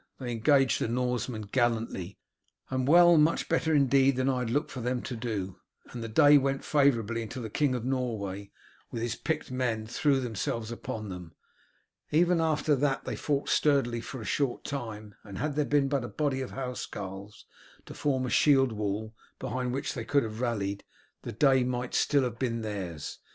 They engaged the Norsemen gallantly and well much better, indeed, than I had looked for them to do, and the day went favourably until the King of Norway with his picked men threw themselves upon them. Even after that they fought sturdily for a short time, and had there been but a body of housecarls to form a shield wall, behind which they could have rallied, the day might still have been theirs.